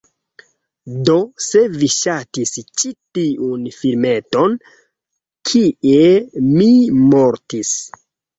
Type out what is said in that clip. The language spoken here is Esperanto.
Do, se vi ŝatis ĉi tiun filmeton kie mi mortis